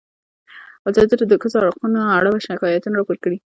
ازادي راډیو د د ښځو حقونه اړوند شکایتونه راپور کړي.